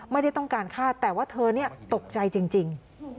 ไม่ได้ต้องการฆ่าแต่ว่าเธอตกใจจริง